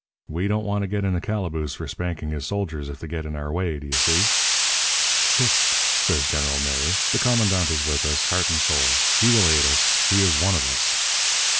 We don't want to get in the calaboose for spanking his soldiers if they get in our way, do you see?' "'Hist!' says General Mary. 'The commandant is with us, heart and soul. He will aid us. He is one of us.'